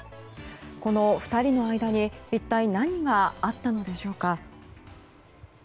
この２人の間に一体、何があったのでしょうか。